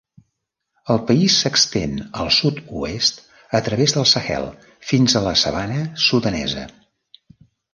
El país s'estén al sud-oest a través del Sahel fins a la sabana sudanesa.